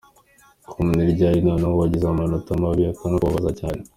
com : Ni ryari noneho wagize amanota mabi akanakubabaza cyane ?.